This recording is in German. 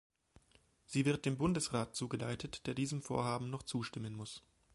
Sie wird dem Bundesrat zugeleitet, der diesem Vorhaben noch zustimmen muss.